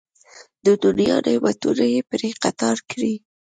د دنیا نعمتونه یې پرې قطار کړي.